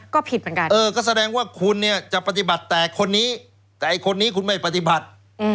ก็ผิดเหมือนกันเออก็แสดงว่าคุณเนี่ยจะปฏิบัติแต่คนนี้แต่ไอ้คนนี้คุณไม่ปฏิบัติ